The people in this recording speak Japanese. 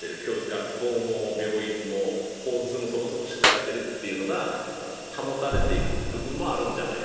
学校も病院も交通もそこそこしっかりしてるっていうのが保たれているっていう部分もあるんじゃないかなと思いますね。